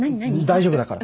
大丈夫だから。